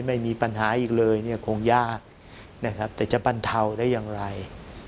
ไม่มีปัญหาอีกเลยคงยากแต่จะปันเทาได้อย่างไร